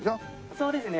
そうですね。